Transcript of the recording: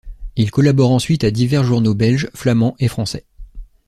Il collabore ensuite à divers journaux belges, flamands et francais.